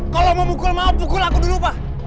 kalau mau pukul mau pukul aku dulu pak